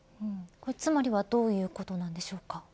つまりはどういうことなんでしょうか。